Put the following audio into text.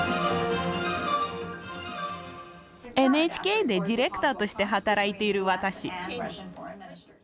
ＮＨＫでディレクターとして働いている私。